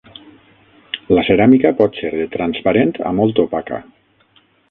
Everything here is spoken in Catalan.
La ceràmica pot ser de transparent a molt opaca.